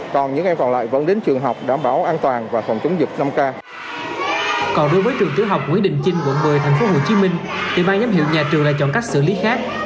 còn đối với trường tứ học nguyễn định chinh quận một mươi tp hcm tỉ ban nhóm hiệu nhà trường lại chọn cách xử lý khác